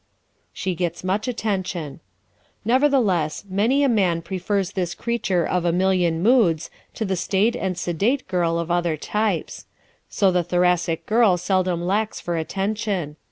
She Gets Much Attention ¶ Nevertheless, many a man prefers this creature of "a million moods" to the staid and sedate girl of other types. So the Thoracic girl seldom lacks for attention.